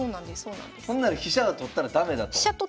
ほんなら飛車は取ったら駄目だと。